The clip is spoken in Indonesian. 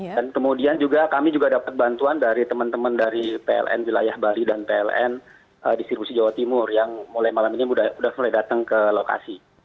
dan kemudian kami juga dapat bantuan dari teman teman dari pln wilayah bali dan pln distribusi jawa timur yang mulai malam ini sudah mulai datang ke lokasi